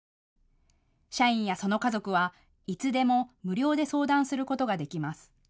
社員やその家族はいつでも無料で相談することができます。